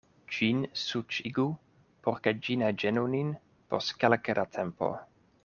Ĝin suĉigu, por ke ĝi ne ĝenu nin, post kelke da tempo.